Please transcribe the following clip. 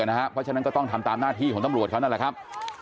เพราะฉะนั้นก็ต้องทำตามหน้าที่ของตำรวจเขานั่นแหละครับ